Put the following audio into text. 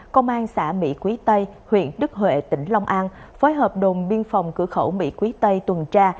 công an xã mỹ quý tây huyện đức huệ tỉnh long an phối hợp đồn biên phòng cửa khẩu mỹ quý tây tuần tra